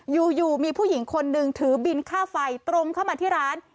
อยู่มีผู้หญิงคนนึงถือบินค่าไฟตรงเข้ามาที่ร้าน